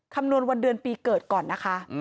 คำนวณวันเดือนปีเกิดก่อนนะคะ